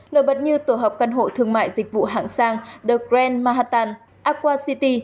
nổi bật như tổ hợp căn hộ thương mại dịch vụ hạng sang the grand manhattan aqua city